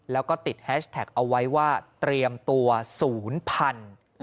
แล้วก็ติดแฮชแท็กเอาไว้ว่าเตรียมตัวศูนย์พัน